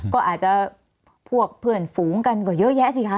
ก็อาจจะพวกเพื่อนฝูงกันก็เยอะแยะสิคะ